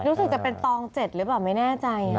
รู้สึกจะเป็นตอง๗หรือเปล่าไม่แน่ใจ